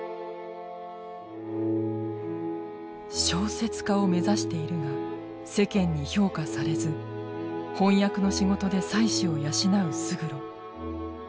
小説家を目指しているが世間に評価されず翻訳の仕事で妻子を養う勝呂。